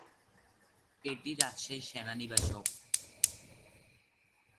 এটি রাজশাহী সেনানিবাসে অবস্থিত।